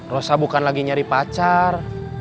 rosa bukan lagi nyari pacar